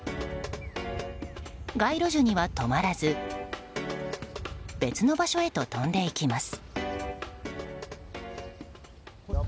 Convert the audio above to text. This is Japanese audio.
街路樹には止まらず別の場所へと飛んでいきます。